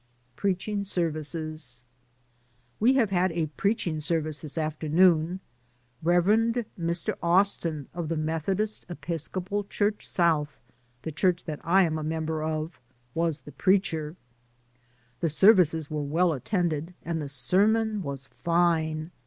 PREACHING SERVICES. We have had a preaching service this afternoon. Rev. Mr. Austin, of the Metho dist Episcopal Church South — the church that I am a member of — was the preacher. The services were well attended, and the ser mon was fine.